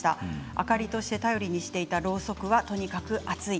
明かりとして頼りにしていたろうそくは、とにかく暑い。